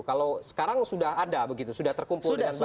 kalau sekarang sudah ada begitu sudah terkumpul dengan banyak atau bagaimana